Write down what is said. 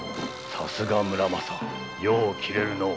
さすが村正よう切れるのう。